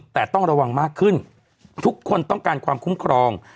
แต่ต้องระวังมากขึ้นทุกคนต้องการความคุ้มครอง